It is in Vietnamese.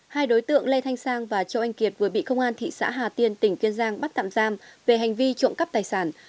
hai đối tượng lê thanh sang và châu anh kiệt vừa bị công an thị xã hà tiên tỉnh kiên giang bắt tạm giam về hành vi trộm cắp tài sản